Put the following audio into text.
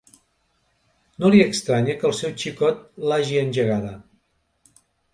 No li estranya que el seu xicot l'hagi engegada.